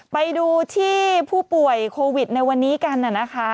ไปดูที่ผู้ป่วยโควิดในวันนี้กันนะคะ